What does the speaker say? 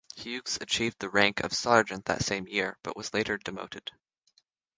Hughes achieved the rank of sergeant that same year, but was later demoted.